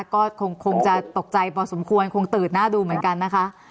ก็คงจะตกใจพอสมควรคงตื่นหน้าดูเหมือนกันนะคะ